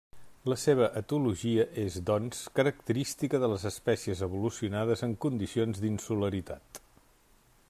La seva etologia és, doncs, característica de les espècies evolucionades en condicions d'insularitat.